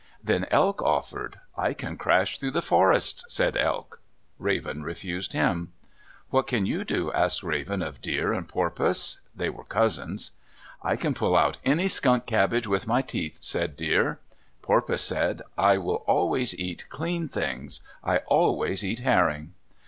Then Elk offered. "I can crash through the forests," said Elk. Raven refused him. "What can you do?" asked Raven of Deer and Porpoise. They were cousins. "I can pull out any skunk cabbage with my teeth," said Deer. Porpoise said, "I will always eat clean things. I always eat herring."